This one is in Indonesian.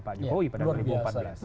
pak jokowi pada dua ribu empat belas